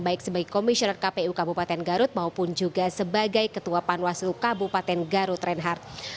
baik sebagai komisioner kpu kabupaten garut maupun juga sebagai ketua panwaslu kabupaten garut reinhardt